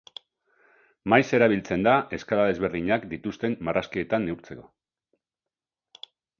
Maiz erabiltzen da eskala desberdinak dituzten marrazkietan neurtzeko.